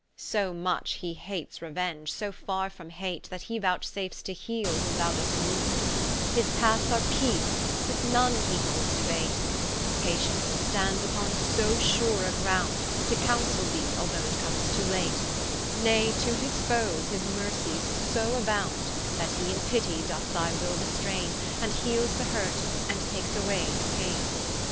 So much he hates Revenge, so farre from Hate, That he vouchsafes to heale, whom thou dost wound; His paths are Peace, with none he holdes Debate, His Patience stands vpon so sure a ground, To counsell thee, although it comes too late: Nay, to his foes, his mercies so abound, That he in pitty doth thy will restraine, And heales the hurt, and takes away the paine.